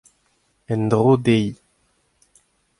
En-dro dezhi.